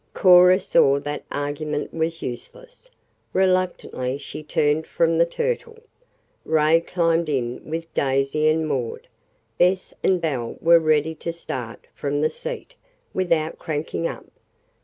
Cora saw that argument was useless. Reluctantly she turned from the Turtle. Ray climbed in with Daisy and Maud. Bess and Belle were ready to start "from the seat," without cranking up.